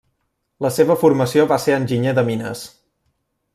La seva formació va ser Enginyer de Mines.